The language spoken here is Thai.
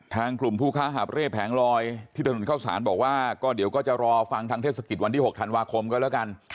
ทางกลุ่มผู้ค้าหาบเร่แผงลอยที่ถนนเข้าสารบอกว่าก็เดี๋ยวก็จะรอฟังทางเทศกิจวันที่๖ธันวาคมก็แล้วกัน